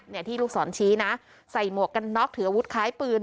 เนี่ยที่ลูกศรชี้นะใส่หมวกกันน็อกถืออาวุธคล้ายปืน